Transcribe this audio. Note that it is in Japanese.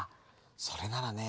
それならね